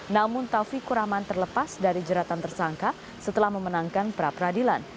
namun taufikur rahman terlepas dari jeratan tersangka setelah memenangkan pra peradilan